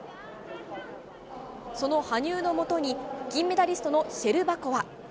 その羽生のもとに銀メダリストのシェルバコワ。